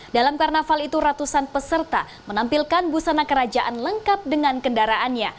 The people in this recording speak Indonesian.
dalam karnaval itu ratusan peserta menampilkan busana kerajaan lengkap dengan kendaraannya